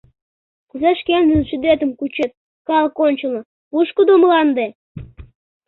Кузе шкендын шыдетым кучет Калык ончылно, пушкыдо мланде?